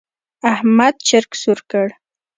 احمد چرګ سور کړ.